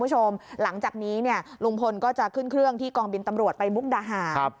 หลังจากนี้เนี่ยลุงพลก็จะขึ้นเครื่องที่กองบินตำรวจไปมุกดาหาร